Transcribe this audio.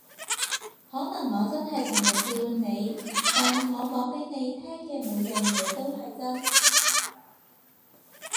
可能我真係成日笑你，但我講畀你聽嘅每樣嘢都係真